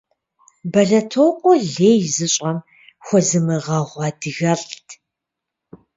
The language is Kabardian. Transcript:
Бэлэтокъуэ лей зыщӀэм хуэзмыгъэгъу адыгэлӀт.